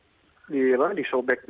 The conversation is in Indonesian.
dan bagaimana dengan kondisi novel baswedan